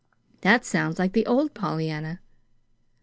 "That sounds like the old Pollyanna."